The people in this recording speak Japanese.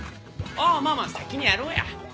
ああまあまあ先にやろうや。